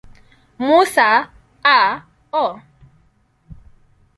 Musa, A. O.